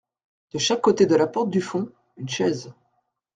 De chaque côté de la porte du fond, une chaise.